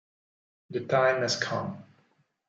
The Time Has Come